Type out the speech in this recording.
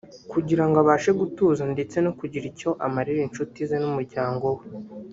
kugira ngo abashe gutuza ndetse no kugira icyo amarira inshuti ze n’umuryango we